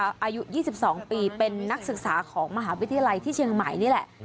อายุ๒๒ปีเป็นนักศึกษาของมหาวิทยาลัยที่เชียงใหม่นี่แหละ